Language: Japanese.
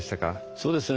そうですね